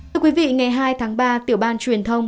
thưa quý vị ngày hai tháng ba tiểu ban truyền thông